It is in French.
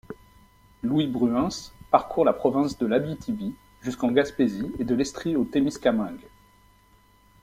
Louis Bruens parcourt la province de l'Abitibi jusqu'en Gaspésie, et de l'Estrie au Témiscamingue.